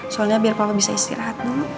soalnya biar bapak bisa istirahat dulu